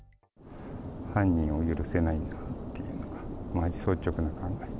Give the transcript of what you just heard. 犯人を許せないなっていうのが、率直な考え。